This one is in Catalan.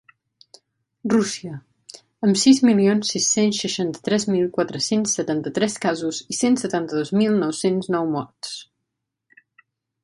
Rússia, amb sis milions sis-cents seixanta-tres mil quatre-cents setanta-tres casos i cent setanta-dos mil nou-cents nou morts.